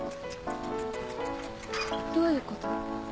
どういうこと？